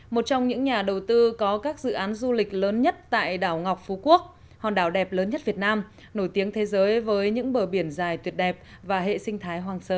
một trong những nhà đầu tư có các dự án du lịch lớn nhất tại đảo ngọc phú quốc hòn đảo đẹp lớn nhất việt nam nổi tiếng thế giới với những bờ biển dài tuyệt đẹp và hệ sinh thái hoang sơ